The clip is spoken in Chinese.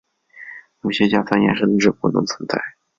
有些甲酸盐甚至不能存在。